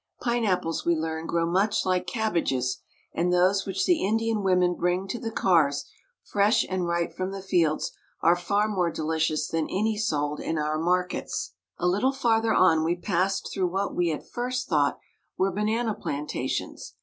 Pineapples, we learn, grow much like cabbages, and those which the Indian women bring to the cars, fresh and ripe from the fields, are far more delicious than any sold in our markets. A little farther o» we passed through what we at first thought were banana plantations.